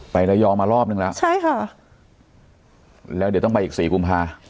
ระยองมารอบนึงแล้วใช่ค่ะแล้วเดี๋ยวต้องไปอีกสี่กุมภา